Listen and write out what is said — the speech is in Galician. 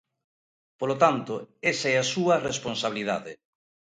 Polo tanto, esa é a súa responsabilidade.